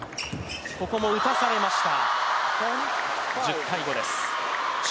ここも打たされました。